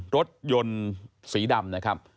รถยนต์สีดำนะครับ